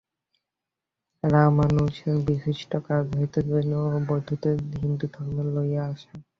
রামানুজের বিশিষ্ট কাজ হইতেছে জৈন ও বৌদ্ধদের হিন্দুধর্মে লইয়া আসা।